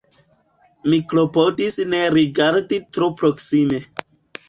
Mi klopodis ne rigardi tro proksime.